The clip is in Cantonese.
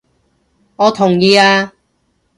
我同意啊！